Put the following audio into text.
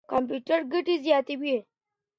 کمپيوټر ګټه زياتوي.